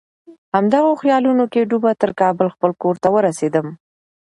همدغو خیالونو کې ډوبه تر کابل خپل کور ته ورسېدم.